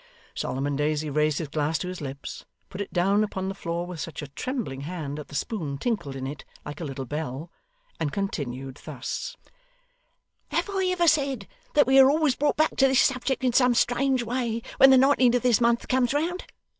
Solomon Daisy raised his glass to his lips; put it down upon the floor with such a trembling hand that the spoon tinkled in it like a little bell; and continued thus: 'Have I ever said that we are always brought back to this subject in some strange way, when the nineteenth of this month comes round?